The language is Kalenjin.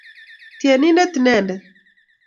Tienindet inenedet